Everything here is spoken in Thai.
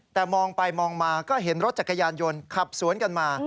แต่มองไปมองมาก็เห็นรถจักรยานยนต์ขับสวนกันมา